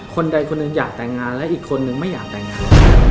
คนใดคนหนึ่งอยากแต่งงานและอีกคนนึงไม่อยากแต่งงาน